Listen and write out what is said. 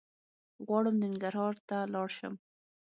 غواړم ننګرهار ته لاړ شم